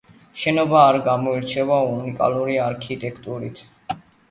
შენობა არ გამოირჩევა უნიკალური არქიტექტურით.